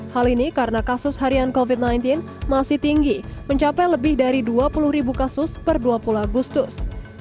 hal ini karena kasus harian covid sembilan belas masih tinggi mencapai lebih dari dua puluh ribu kasus per dua puluh agustus